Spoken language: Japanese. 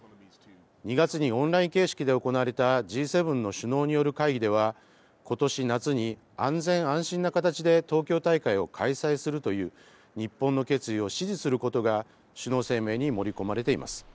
２月にオンライン形式で行われたＧ７の首脳による会議では、ことし夏に安全安心な形で東京大会を開催するという日本の決意を支持することが、首脳声明に盛り込まれています。